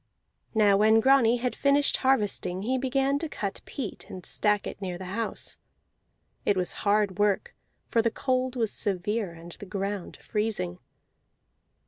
Now when Grani had finished harvesting he began to cut peat and stack it near the house. It was hard work, for the cold was severe and the ground freezing.